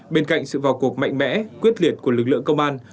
bên cạnh sự vào cuộc mạnh mẽ quyết liệt của lực lượng công an